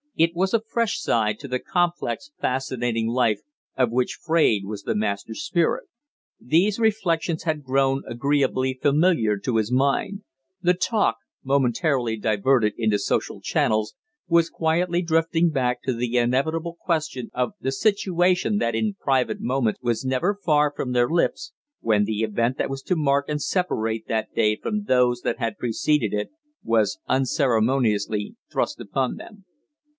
It was a fresh side to the complex, fascinating life of which Fraide was the master spirit. These reflections had grown agreeably familiar to his mind; the talk, momentarily diverted into social channels, was quietly drifting back to the inevitable question of the "situation" that in private moments was never far from their lips, when the event that was to mark and separate that day from those that had preceded it was unceremoniously thrust upon them.